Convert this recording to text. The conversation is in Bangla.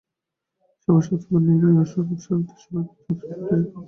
স্বভাবের স্বাস্থ্যকর নিয়মে এই অশ্বরথ ও সারথি সবাইকেই যথাসময়ে ভুলে যেতুম।